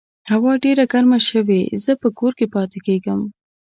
هوا ډېره ګرمه شوې، زه په کور کې پاتې کیږم